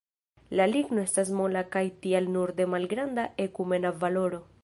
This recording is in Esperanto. La ligno estas mola kaj tial nur de malgranda ekumena valoro.